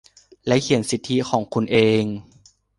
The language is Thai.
แล้วเขียนสิทธิของคุณเอง